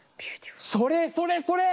それそれそれ！